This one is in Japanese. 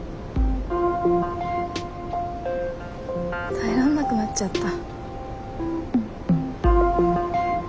耐えられなくなっちゃった。